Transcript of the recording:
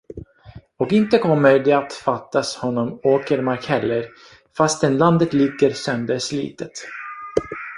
Och inte kommer det att fattas honom åkermark heller, fastän landet ligger sönderslitet.